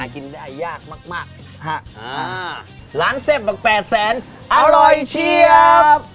กินได้ยากมากร้านแซ่บแบบ๘แสนอร่อยเชียบ